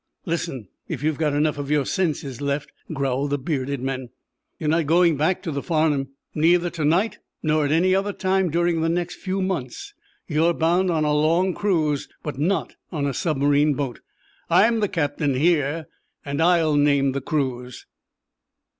"Listen, if you've got enough of your senses left," growled the bearded men. "You're not going back to the 'Farnum'—neither to night, nor at any other time during the next few months. You're bound on a long cruise, but not on a submarine boat. I am the captain here, and I'll name the cruise!"